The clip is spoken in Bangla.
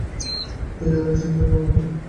তিনি আলেক্সান্দ্রিয়া গমন করেন।